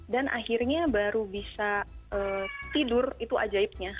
dan akhirnya baru bisa tidur itu ajaibnya